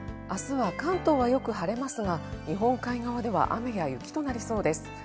あすは、関東はよく晴れますが、日本海側では雨や雪となりそうです。